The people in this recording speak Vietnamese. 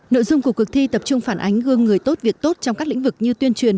nội dung của cuộc thi tập trung phản ánh gương người tốt việc tốt trong các lĩnh vực như tuyên truyền